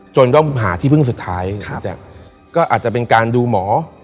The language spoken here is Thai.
จนก็หาที่พึ่งสุดท้ายครับพี่แจกก็อาจจะเป็นการดูหมอ